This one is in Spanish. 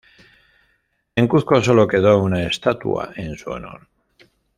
En Cuzco sólo quedó una estatua en su honor.